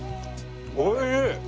おいしい！